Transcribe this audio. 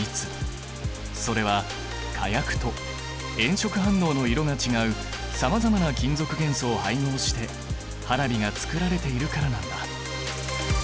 それは火薬と炎色反応の色が違うさまざまな金属元素を配合して花火がつくられているからなんだ。